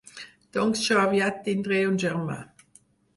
Doncs jo aviat tindré un germà.